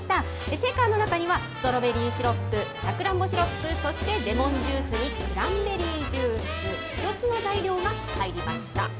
シェーカーの中には、ストロベリーシロップ、サクランボシロップ、そしてレモンジュースにクランベリージュース、４つの材料が入りました。